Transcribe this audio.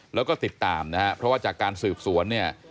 แล้วก็ติดตามเพราะว่าจากการสืบสวน